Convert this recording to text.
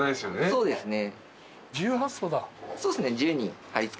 そうですね。